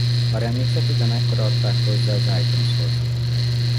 A remixet ugyanekkor adták hozzá az iTunes-hoz.